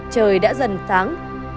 trời đã dần tháng